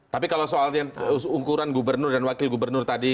tapi kalau soalnya ukuran gubernur dan wakil gubernur tadi